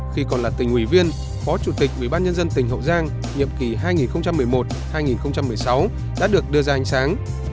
khi còn là tỉnh ủy viên phó chủ tịch ủy ban nhân dân tỉnh hậu giang nhiệm kỳ hai nghìn một mươi một hai nghìn một mươi sáu đã được đưa ra ánh sáng